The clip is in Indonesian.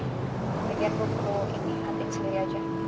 thank you aku perlu ini hunting sendiri aja